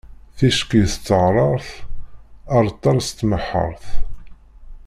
Tikci s teɣṛaṛt, areṭṭal s tmeḥḥaṛt.